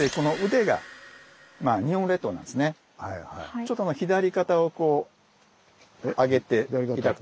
ちょっと左肩をこう上げて頂くと。